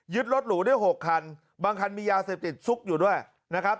รถหรูได้๖คันบางคันมียาเสพติดซุกอยู่ด้วยนะครับ